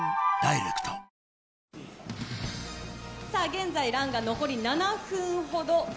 現在、ランが残り７分ほど。